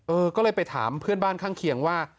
เออก็เลยไปถามเพื่อนบ้านข้างเคียงว่า